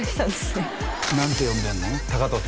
何て呼んでんの？